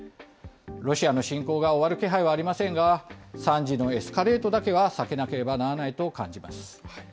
ロシアの侵攻が終わる気配はありませんが、惨事のエスカレートだけは避けなければならないと感じます。